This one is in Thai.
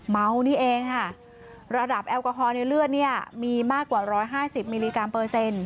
เมานี่เองค่ะระดับแอลกอฮอลในเลือดเนี่ยมีมากกว่า๑๕๐มิลลิกรัมเปอร์เซ็นต์